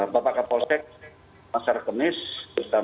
bapak kapolsek pasar kemis bapak mbak anir